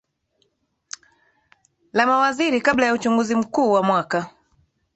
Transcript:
la mawaziri kabla ya uchaguzi mkuu wa mwaka